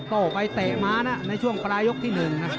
โตไปเตะม้าในช่วงกรายกที่๑